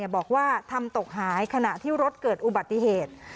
บอกว่าทำตกหายขณะที่รถเกิดอุบัติเหตุ